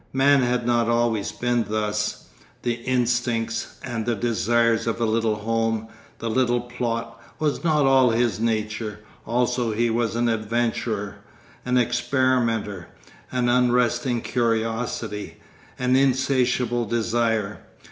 Man had not been always thus; the instincts and desires of the little home, the little plot, was not all his nature; also he was an adventurer, an experimenter, an unresting curiosity, an insatiable desire.